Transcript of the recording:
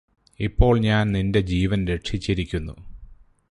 ഇപ്പോൾ ഞാന് നിന്റെ ജീവന് രക്ഷിച്ചിരിക്കുന്നു